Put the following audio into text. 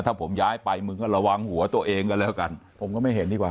ถ้าผมย้ายไปมึงก็ระวังหัวตัวเองกันแล้วกันผมก็ไม่เห็นดีกว่า